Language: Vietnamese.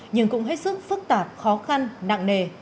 nhưng cũng hết sức phức tạp khó khăn nặng nề